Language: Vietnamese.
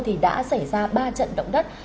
thì đã xảy ra ba trận động đất